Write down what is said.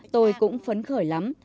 tôi cũng phấn khởi lắm